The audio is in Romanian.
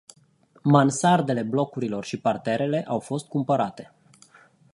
Mansardele blocurilor și parterele au fost cumpărate.